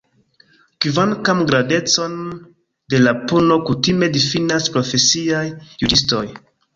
Kvankam grandecon de la puno kutime difinas profesiaj juĝistoj.